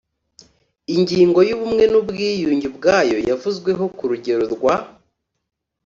Ingingo y ubumwe n ubwiyunge ubwayo yavuzweho ku rugero rwa